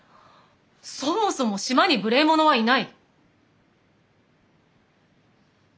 そもそも島に無礼者はいない。